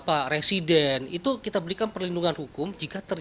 jadi kalau dibilang bahwa ru ini tidak memberikan perlindungan kepada dokter